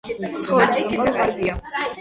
ცხოველთა სამყარო ღარიბია.